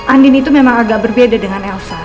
andin itu memang agak berbeda dengan elsa